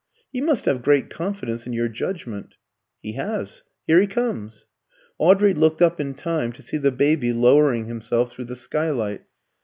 "He must have great confidence in your judgment." "He has. Here he comes." Audrey looked up in time to see the baby lowering himself through the skylight.